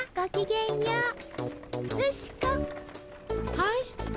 はい。